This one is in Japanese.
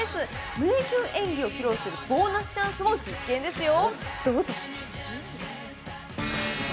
胸キュン演技を披露するボーナスチャンスも必見ですよ。